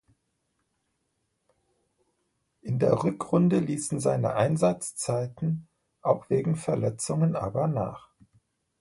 In der Rückrunde ließen seine Einsatzzeiten auch wegen Verletzungen aber nach.